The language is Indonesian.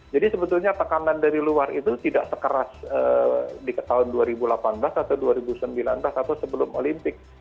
jadi sebetulnya tekanan dari luar itu tidak sekeras di tahun dua ribu delapan belas atau dua ribu sembilan belas atau sebelum olimpik